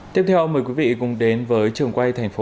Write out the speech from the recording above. tiếp theo mời quý vị cùng đến với bài hỏi của chúng tôi